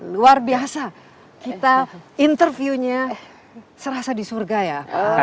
luar biasa kita interviewnya serasa di surga ya pak arhawi